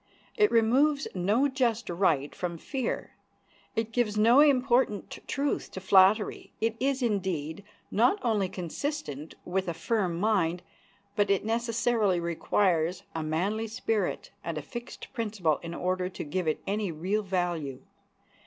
It removes no just right from fear; it gives no important truth to flattery; it is, indeed, not only consistent with a firm mind, but it necessarily requires a manly spirit and a fixed principle in order to give it any real value.